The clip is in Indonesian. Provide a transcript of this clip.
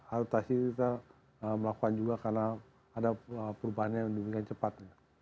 aritasi kita melakukan juga karena ada perubahannya yang cepat